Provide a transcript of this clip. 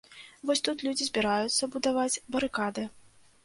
Вось тут людзі збіраюцца будаваць барыкады.